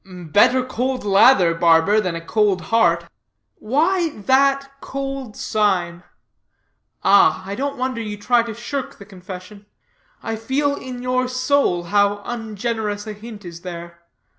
"Better cold lather, barber, than a cold heart. Why that cold sign? Ah, I don't wonder you try to shirk the confession. You feel in your soul how ungenerous a hint is there.